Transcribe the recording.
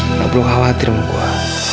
tidak perlu khawatir sama gue